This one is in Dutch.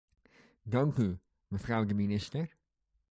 Dank u, mevrouw de minister.